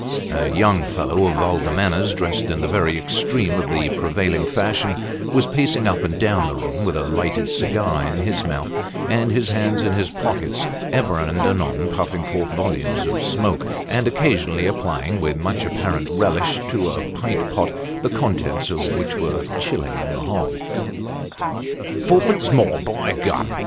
A young fellow of vulgar manners, dressed in the very extreme of the prevailing fashion, was pacing up and down the room, with a lighted cigar in his mouth and his hands in his pockets, ever and anon puffing forth volumes of smoke, and occasionally apply ing, with much apparent relish, to a pint pot, the contents of which were " chilling " on the hob. " Fourpence more, by gum